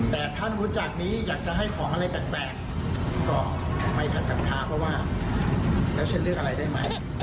แต่ท่านรู้จักนี้อยากจะให้ของอะไรแบบแบบก็ไม่ทันทรัพย์เพราะว่าเราจะเเลือกอะไรได้ไหม